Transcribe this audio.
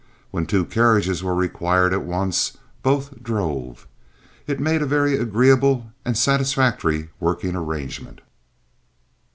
When two carriages were required at once, both drove. It made a very agreeable and satisfactory working arrangement.